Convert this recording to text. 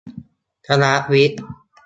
คณะวิทย์